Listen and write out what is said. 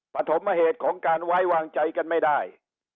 ปฐมเหตุของการไว้วางใจกันไม่ได้